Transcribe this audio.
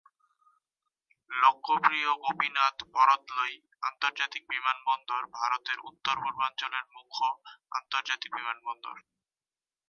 লোকপ্ৰিয় গোপীনাথ বরদলৈ আন্তর্জাতিক বিমানবন্দর ভারতের উত্তর-পূর্বাঞ্চলের মুখ্য আন্তর্জাতিক বিমান বন্দর।